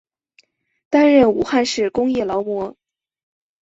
担任武汉市工业劳模。